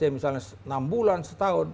misalnya enam bulan setahun